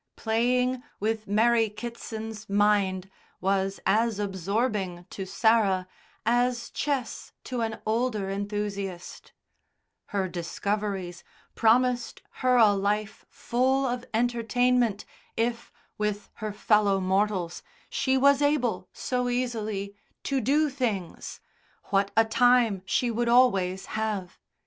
Playing with Mary Kitson's mind was as absorbing to Sarah, as chess to an older enthusiast; her discoveries promised her a life full of entertainment, if, with her fellow mortals, she was able, so easily, "to do things," what a time she would always have.